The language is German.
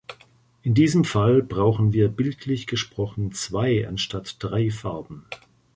In diesem Fall brauchen wir bildlich gesprochen zwei anstatt drei Farben.